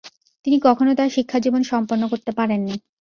তিনি কখনো তার শিক্ষাজীবন সম্পন্ন করতে পারেননি।